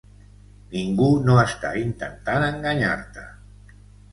Ningú no està intentant enganyar-te.